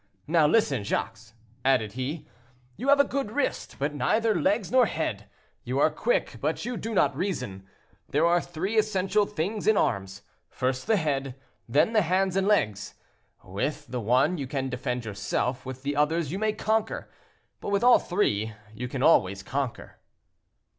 Now, listen, Jacques," added he: "you have a good wrist, but neither legs nor head; you are quick, but you do not reason. There are three essential things in arms—first the head, then the hands and legs: with the one you can defend yourself, with the others you may conquer, but with all three you can always conquer."